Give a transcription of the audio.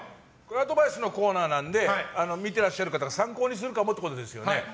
アドバイスのコーナーなので見てらっしゃる方が参考にするかもってことですよね。